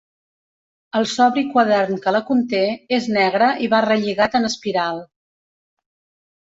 El sobri quadern que la conté és negre i va relligat en espiral.